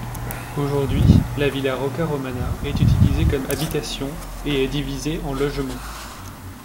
Aujourd'hui, la villa Roccaromana est utilisée comme habitations et est divisée en logements.